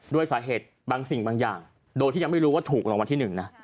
ด้วยสาเหตุบางสิ่งบางอย่างโดยที่ยังไม่รู้ว่าถูกรางวัลที่๑นะ